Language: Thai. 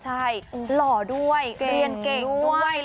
ใช่หล่อด้วยเรียนเก่งด้วย